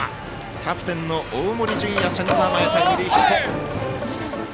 キャプテンの大森准弥センター前タイムリーヒット。